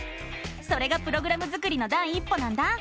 それがプログラム作りの第一歩なんだ！